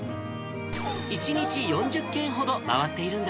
１日４０軒ほど回っているんだ